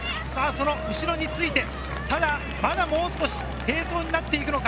後ろについて、まだもう少し並走になっていくのか。